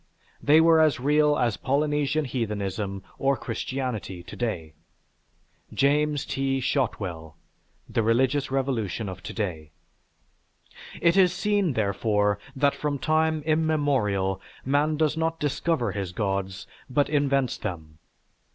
They were as real as Polynesian heathenism or Christianity to day." (James T. Shotwell: "The Religious Revolution of To day.") It is seen, therefore, that from time immemorial, man does not discover his gods, but invents them.